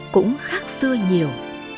cũng khác xưa nhiều